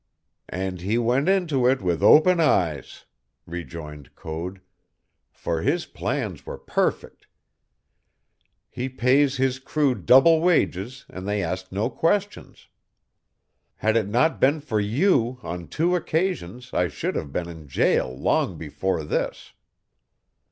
"And he went into it with open eyes," rejoined Code, "for his plans were perfect. He pays his crew double wages and they ask no questions. Had it not been for you on two occasions I should have been in jail long before this."